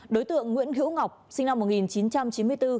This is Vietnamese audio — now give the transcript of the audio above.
đối tượng nguyễn hữu ngọc sinh năm một nghìn chín trăm chín mươi bốn